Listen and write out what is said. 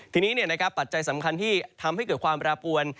ทีนี้ปัจจัยสำคัญที่ทำให้เกิดความแปรปวน